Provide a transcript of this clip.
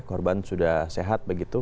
korban sudah sehat begitu